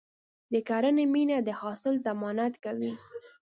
د کرنې مینه د حاصل ضمانت کوي.